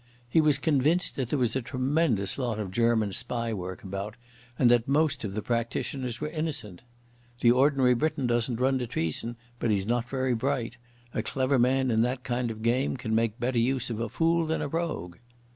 He was convinced that there was a tremendous lot of German spy work about, and that most of the practitioners were innocent. "The ordinary Briton doesn't run to treason, but he's not very bright. A clever man in that kind of game can make better use of a fool than a rogue."